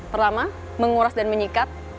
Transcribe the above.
pertama menguras dan menyikat